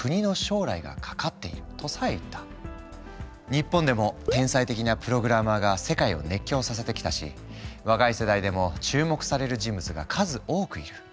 日本でも天才的なプログラマーが世界を熱狂させてきたし若い世代でも注目される人物が数多くいる。